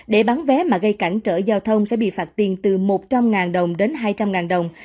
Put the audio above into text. để bán vé mà gây cản trở giao thông sẽ bị phạt tiền từ một trăm linh đồng đến hai trăm linh đồng